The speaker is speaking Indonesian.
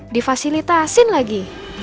di fasilitasin lagi